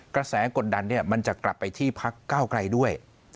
กระแสกดดันมันจะกลับไปที่พักเก้าไกลด้วย